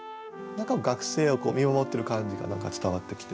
学生を見守ってる感じが伝わってきてね。